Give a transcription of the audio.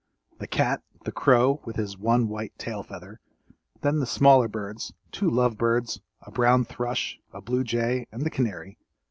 The cat, the crow, with his one white tail feather; then the smaller birds; two love birds, a brown thrush, a blue jay and the canary.